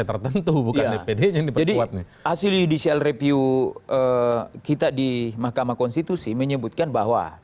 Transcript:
jadi hasil judicial review kita di mahkamah konstitusi menyebutkan bahwa